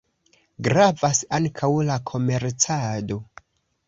Gravas ankaŭ la komercado.